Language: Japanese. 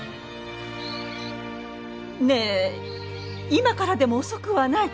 ねえ今からでも遅くはない。